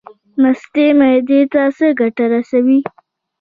مستې معدې ته څه ګټه رسوي؟